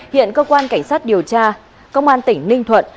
hiện cơ quan cảnh sát điều tra công an tỉnh ninh thuận